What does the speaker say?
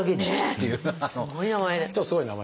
すごい名前。